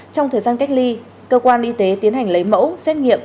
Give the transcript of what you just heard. trong thời gian cách ly cơ quan y tế tiến hành lấy mẫu xét nghiệm